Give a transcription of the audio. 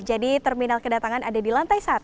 jadi terminal kedatangan ada di lantai satu